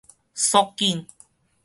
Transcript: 速緊